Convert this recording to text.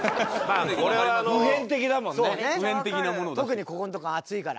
特にここのところ暑いから。